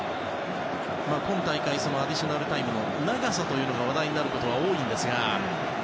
今大会、アディショナルタイムの長さというのが話題になることが多いんですが。